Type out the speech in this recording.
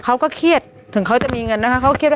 เขาก็เครียดถึงเขาจะมีเงินนะคะ